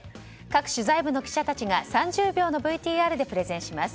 各取材部の記者たちが３０秒のＶＴＲでプレゼンします。